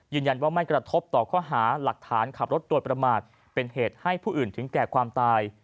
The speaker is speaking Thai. ยืนยันว่าไม่กระทบต่อข้อหาหลักฐานขับรถโดยประมาทเป็นเหตุให้ผู้อื่นถึงแก่ความตาย